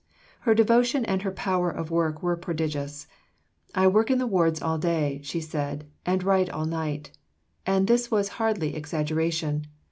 Her devotion and her power of work were prodigious. "I work in the wards all day," she said, "and write all night"; and this was hardly exaggeration.